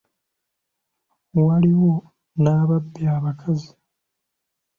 Waliwo n'ababbi abakazi.